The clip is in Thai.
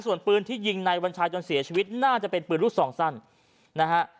ส่วนปืนที่ยิงในวันชายจนเสียชีวิตน่าจะเป็นปืนลูกซองสั้นนะฮะ